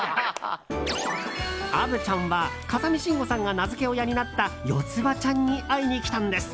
虻ちゃんは風見しんごさんが名付け親になったヨツバちゃんに会いに来たんです。